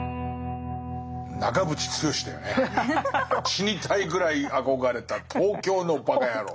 死にたいぐらい憧れた東京のバカヤロー。